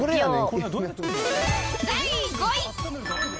第５位。